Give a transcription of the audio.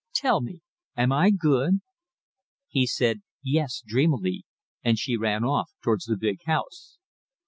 Tell me am I good?" He said "Yes" dreamily, and she ran off towards the big house.